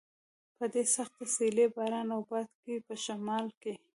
په دې سخته سیلۍ، باران او باد کې په شمال کې.